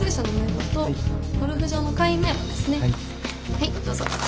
はいどうぞ。